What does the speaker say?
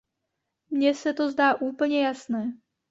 Mně se to zdá úplně jasné.